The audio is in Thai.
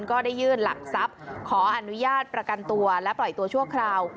ก็ได้ยื่นหลักทรัพย์ขออนุญาตประกันตัวและปล่อยตัวชั่วคราว